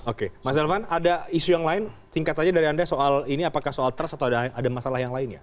oke mas elvan ada isu yang lain singkat saja dari anda soal ini apakah soal trust atau ada masalah yang lain ya